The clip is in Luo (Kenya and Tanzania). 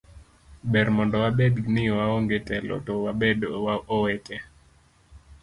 Ber mondo wabed ni waonge telo to wabed owete.